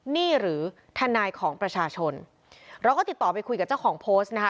นี่หรือทนายของประชาชนเราก็ติดต่อไปคุยกับเจ้าของโพสต์นะคะ